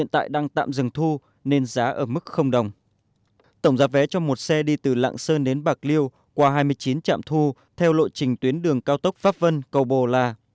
tổng giá vé cho một xe đi từ lạng sơn đến bạc liêu qua hai mươi chín trạm thu theo lộ trình tuyến đường cao tốc pháp vân cầu bồ là